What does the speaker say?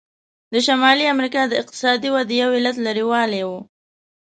د شمالي امریکا د اقتصادي ودې یو علت لرې والی و.